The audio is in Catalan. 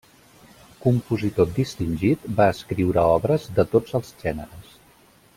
Compositor distingit, va escriure obres de tots els gèneres.